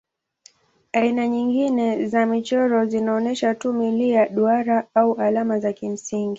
Aina nyingine za michoro zinaonyesha tu milia, duara au alama za kimsingi.